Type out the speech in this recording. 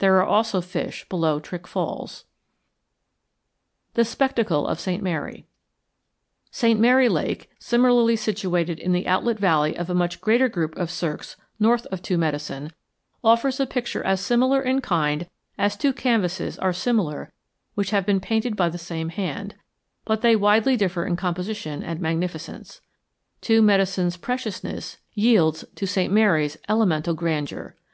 There are also fish below Trick Falls. THE SPECTACLE OF ST. MARY St. Mary Lake, similarly situated in the outlet valley of a much greater group of cirques north of Two Medicine, offers a picture as similar in kind as two canvases are similar which have been painted by the same hand; but they widely differ in composition and magnificence; Two Medicine's preciousness yields to St. Mary's elemental grandeur.